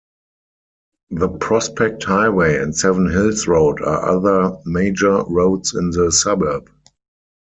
The Prospect Highway and Seven Hills Road are other major roads in the suburb.